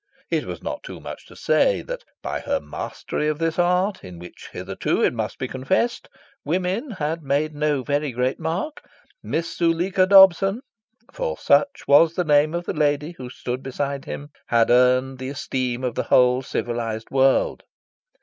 It was not too much to say that by her mastery of this art, in which hitherto, it must be confessed, women had made no very great mark, Miss Zuleika Dobson (for such was the name of the lady who stood beside him) had earned the esteem of the whole civilised world.